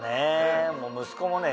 息子もね